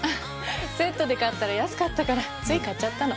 セットで買ったら安かったからつい買っちゃったの。